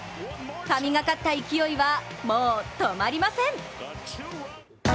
神がかった勢いはもう止まりません。